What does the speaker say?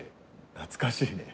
懐かしいね。